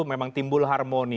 memang timbul harmoni